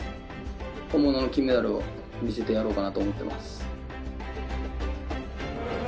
本物の金メダルを見せてやろうかなと思っています。